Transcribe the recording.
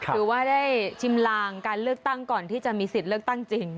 ถือว่าได้ชิมลางการเลือกตั้งก่อนที่จะมีสิทธิ์เลือกตั้งจริง